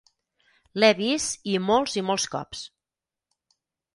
L'he vist i molts i molts cops!